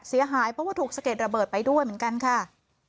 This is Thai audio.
เสียหายเพราะว่าถูกสะเก็ดระเบิดไปด้วยเหมือนกันค่ะ